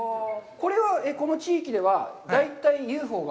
これは、この地域では、大体、ＵＦＯが。